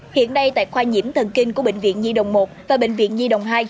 hiện nay tại khoa nhiễm thần kinh của bệnh viện nhi đồng một và bệnh viện nhi đồng hai